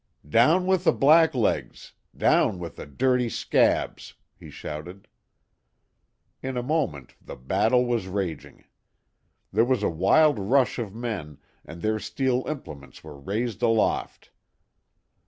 "Down with the blacklegs! Down with the dirty 'scabs'!" he shouted. In a moment the battle was raging. There was a wild rush of men, and their steel implements were raised aloft.